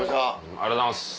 ありがとうございます。